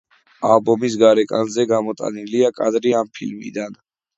ალბომის გარეკანზე გამოტანილია კადრი ამ ფილმიდან.